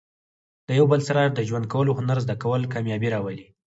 د یو بل سره د ژوند کولو هنر زده کول، کامیابي راولي.